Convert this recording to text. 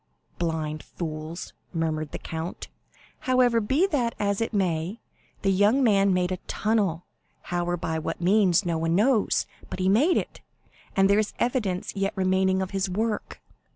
"Blind fools!" murmured the count. "However, be that as it may, the young man made a tunnel, how or by what means no one knows; but he made it, and there is the evidence yet remaining of his work.